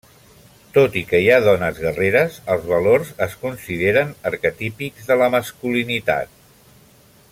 Tot i que hi ha dones guerreres, els valors es consideren arquetípics de la masculinitat.